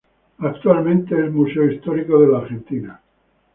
Actualmente es Museo Histórico de la Argentina.